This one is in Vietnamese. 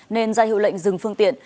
nên ra hiệu lệnh dừng phương tiện